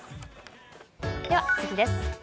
では、次です。